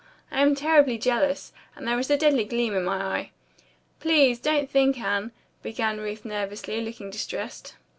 I am terribly jealous, and there is a deadly gleam in my eye." "Please, don't think, Anne " began Ruth nervously, looking distressed.